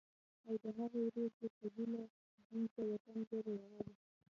او د هغه ورځې په هیله چې زمونږ د وطن ژبه یوه وي.